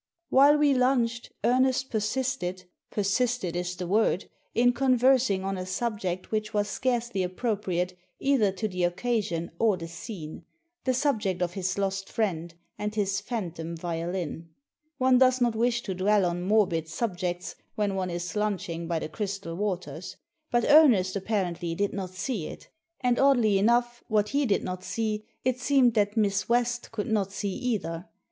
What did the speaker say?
While we lunched Ernest persisted — ^persisted is the word — in conversing on a subject which was scarcely appropriate either to the occasion or the scene — the subject of his lost friend and his phantom violin. One does not wish to dwell on morbid sub jects when one is lunching by the crystal waters; but Ernest, apparently, did not see it; and, oddly enough, what he did not see, it seemed that Miss West could not see either.